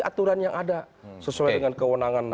aturan yang ada sesuai dengan kewenangan